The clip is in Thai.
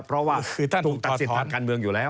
เพราะว่าตักศิษย์ทางการเมืองอยู่แล้ว